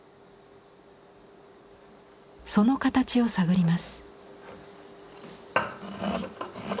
その形を探ります。